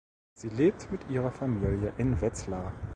Sie lebt mit ihrer Familie in Wetzlar.